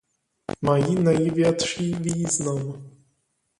Mají největší význam.